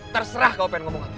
terserah kamu mau ngomong apa